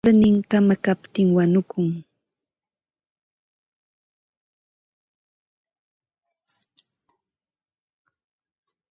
Wayarnin kamakaptin wanukun.